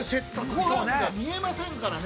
◆ごはんが見えませんからね。